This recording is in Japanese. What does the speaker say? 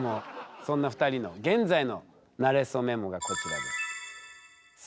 そんな２人の現在の「なれそメモ」がこちらです。